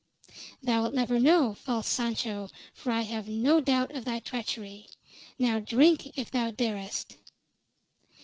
Thou'lt never know, false Sancho, for I have no doubt of thy treachery. Now drink, if thou darest!"